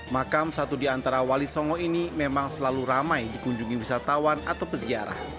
makam satu di antara wali songo ini memang selalu ramai dikunjungi wisatawan atau peziarah